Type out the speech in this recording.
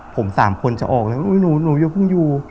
ผม๓คนจะออกแล้วหนูนูอย่าพุ่งอยู่